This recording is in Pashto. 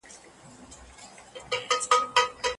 هغو مسلمان ځوانانو ته ډالۍ، چي د الله تعالی نافرماني نکوي.